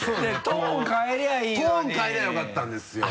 トーン変えればよかったんですよ